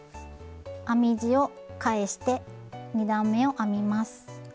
編み地を返して２段めを編みます。